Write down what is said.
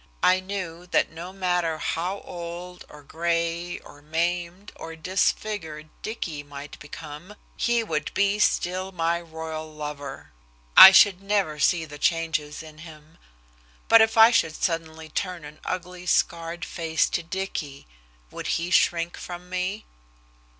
I knew that no matter how old or gray or maimed or disfigured Dicky might become he would be still my royal lover. I should never see the changes in him. But if I should suddenly turn an ugly scarred face to Dicky would he shrink from me?